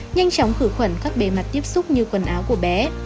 nhanh chóng khử khuẩn các bề mặt tiếp xúc như quần áo của bé